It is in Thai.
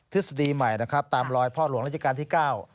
ฤษฎีใหม่นะครับตามรอยพ่อหลวงราชการที่เก้า